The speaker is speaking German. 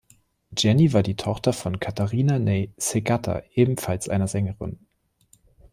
Jenny war die Tochter von Katharina Ney-Segatta, ebenfalls einer Sängerin.